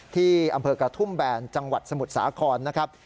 ที่อำเภอกระทุ่มแบนจังหวัดสมุทรสาครนะครับ